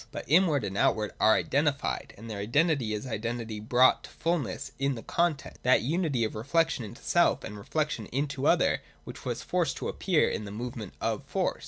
But Inward and Outward are identified : and their identity is iden tity brought to fulness in the content, that unity of re flection into self and reflection into other which was forced to appear in the movement of force.